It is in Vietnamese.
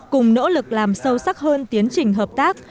cùng nỗ lực làm sâu sắc hơn tiến trình hợp tác